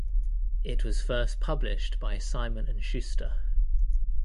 It was first published by Simon and Schuster.